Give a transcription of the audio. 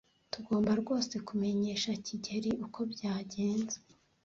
Tugomba rwose kumenyesha kigeli uko byagenze.